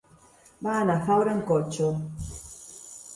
Va anar a Faura amb cotxe.